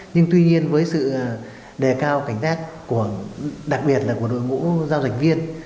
nhưng tuy nhiên với sự đề cao cảnh giác đặc biệt là của đội ngũ giao dịch viên